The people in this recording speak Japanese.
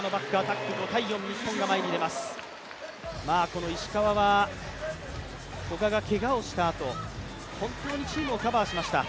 この石川は、古賀がけがをしたあと、本当にチームをカバーしました。